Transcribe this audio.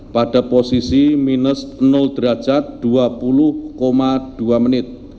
pada posisi minus derajat dua puluh dua menit